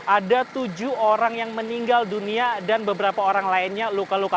ada tujuh orang yang meninggal dunia dan beberapa orang lainnya luka luka